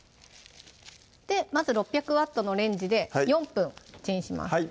まず６００Ｗのレンジで４分チンします